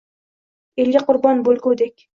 Elga qurbon bo’lgudek.